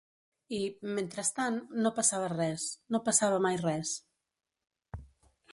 I, mentrestant, no passava res, no passava mai res